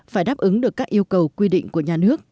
phải đáp ứng được các yêu cầu quy định của nhà nước